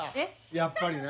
やっぱりな。